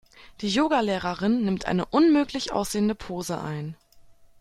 Die Yoga-Lehrerin nimmt eine unmöglich aussehende Pose ein.